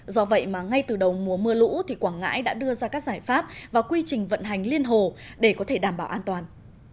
do vậy mà ngay từ đầu mùa mưa lũ thì quảng ngãi đã đưa ra các giải pháp và quy trình vận hành liên hồ để có thể đảm bảo an toàn